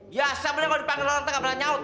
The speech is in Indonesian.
biasa bener kalo dipanggil orang itu nggak berani nyaut